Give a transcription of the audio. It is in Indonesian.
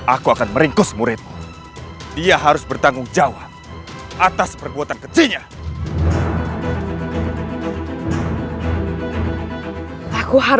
aku akan menyambung nyawa denganku